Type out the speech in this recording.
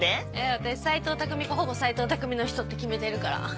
私斎藤工かほぼ斎藤工の人って決めてるから。